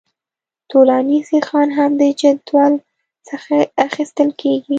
طولاني سیخان هم د جدول څخه اخیستل کیږي